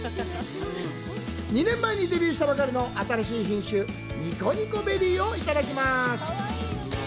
２年前にデビューしたばかりの新しい品種、にこにこベリーをいただきます。